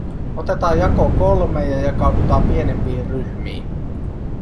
"Otetaa jako kolmee ja jakaudutaa pienempii ryhmii.